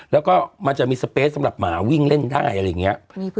แล้วก็มันจะมีสเปสสำหรับหมาวิ่งเล่นได้อะไรอย่างนี้